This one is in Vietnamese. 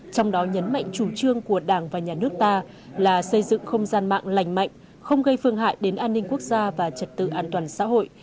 trong đó nhấn mạnh chủ trương của đảng và nhà nước ta là xây dựng không gian mạng lành mạnh không gây phương hại đến an ninh quốc gia và trật tự an toàn xã hội